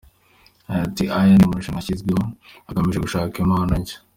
Yagize ati “Aya ni amarushanwa yashyizweho agamije gushaka impano nshya.